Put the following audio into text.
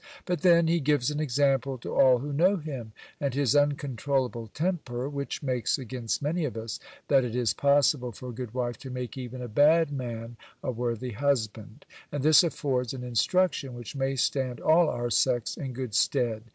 But then, he gives an example to all who know him, and his uncontrollable temper (which makes against many of us), that it is possible for a good wife to make even a bad man a worthy husband: and this affords an instruction, which may stand all our sex in good stead.